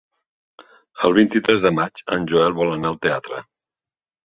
El vint-i-tres de maig en Joel vol anar al teatre.